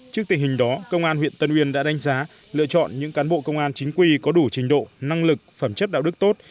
trước tình hình đó công an huyện tân uyên đã đánh giá lựa chọn những cán bộ công an chính quy có đủ trình độ năng lực phẩm chất đạo đức tốt